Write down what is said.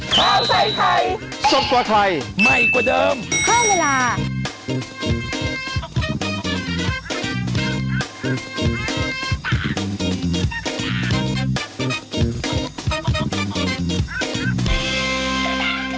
โปรดติดตามตอนต่อไป